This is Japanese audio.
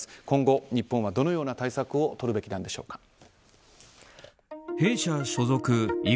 今後、日本はどのような対策をとるべきなんでしょうか。